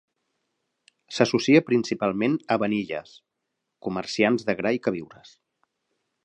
S'associa principalment a Baniyas, comerciants de gra i queviures.